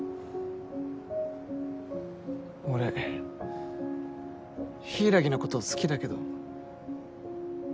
俺柊のこと好きだけど。